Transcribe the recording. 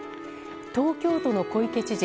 東京都の小池知事